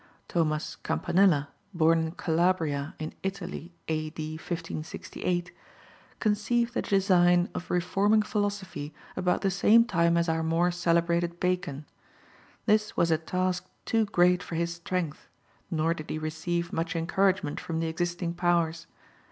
Thomas Campanella, born in Calabria, in Italy, A.D. 1568, conceived the design of reforming philosophy about the same time as our more celebrated Bacon. This was a task too great for his strength, nor did he receive much encouragement from the existing powers.